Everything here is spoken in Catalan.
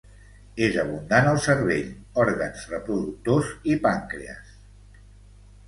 És abundant al cervell, òrgans reproductors i pàncrees.